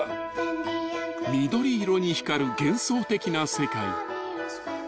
［緑色に光る幻想的な世界］